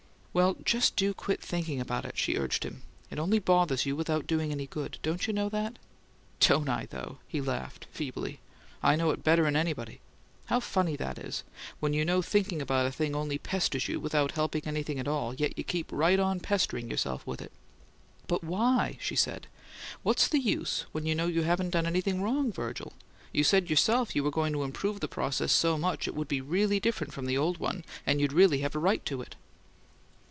"Well, just do quit thinking about it," she urged him. "It only bothers you without doing any good. Don't you know that?" "Don't I, though!" he laughed, feebly. "I know it better'n anybody! How funny that is: when you know thinking about a thing only pesters you without helping anything at all, and yet you keep right on pestering yourself with it!" "But WHY?" she said. "What's the use when you know you haven't done anything wrong, Virgil? You said yourself you were going to improve the process so much it would be different from the old one, and you'd REALLY have a right to it."